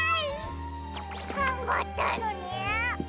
がんばったのに！